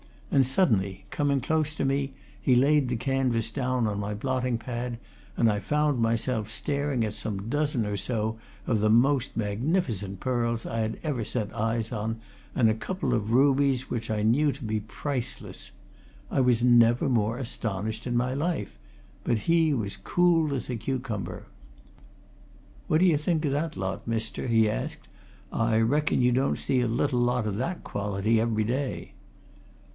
And suddenly, coming close to me, he laid the canvas down on my blotting pad and I found myself staring at some dozen or so of the most magnificent pearls I ever set eyes on and a couple of rubies which I knew to be priceless. I was never more astonished in my life, but he was as cool as a cucumber. "What d'ye think o' that lot, mister?" he asked. "I reckon you don't see a little lot o' that quality every day."